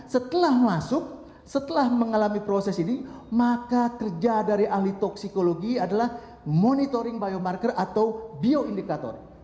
setelah masuk setelah mengalami proses ini maka kerja dari ahli toksikologi adalah monitoring biomarker atau bioindikator